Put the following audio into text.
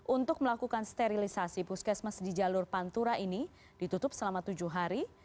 untuk melakukan sterilisasi puskesmas di jalur pantura ini ditutup selama tujuh hari